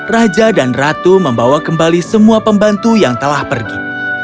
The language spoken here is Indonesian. raja dan ratu membawa kembali semua pembantu yang telah pergi